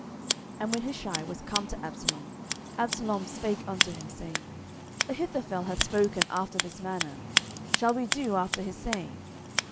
10:017:006 And when Hushai was come to Absalom, Absalom spake unto him, saying, Ahithophel hath spoken after this manner: shall we do after his saying?